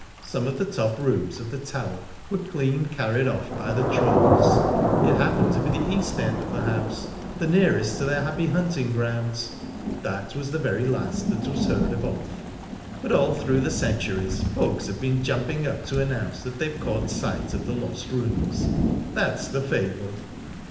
Some of the top rooms of the Tower were clean carried off by the trolls; it happened to be the east end of the house, the nearest to their happy hunting grounds. That was the very last that was heard of Ulf, but all through the centuries folks have been jumping up to announce that they've caught sight of the lost rooms...That's the fable."